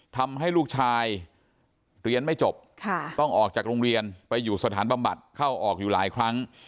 ทำให้ลูกชายเรียนไม่จบต้องออกจากโรงเรียนไปอยู่สถานบำบัดเข้าออกอยู่หลายครั้ง